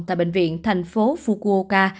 tại bệnh viện thành phố fukuoka